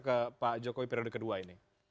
ke pak jokowi periode kedua ini